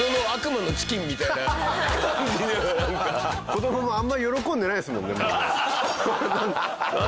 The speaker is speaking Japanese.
子どももあんまり喜んでないですもんね。